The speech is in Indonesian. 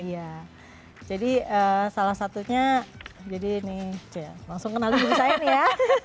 iya jadi salah satunya jadi ini langsung kenalin diri saya nih ya